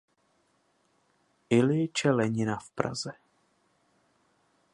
I. Lenina v Praze.